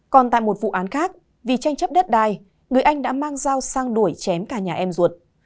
còn tại một vụ án khác vì tranh chấp đất đai người anh đã mang dao sang đuổi chém cả nhà em ruột